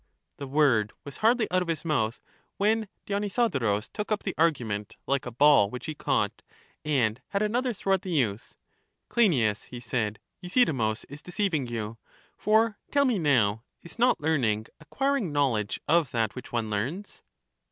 The word was hardly out of his mouth when Dionysodorus took up the argument, like a ball which he caught, and had another throw at the youth. Cleinias, he said, Euthydemus is deceiving you. For tell me now, is not learning acquiring knowledge of that which one learns?